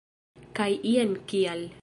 Kaj jen kial!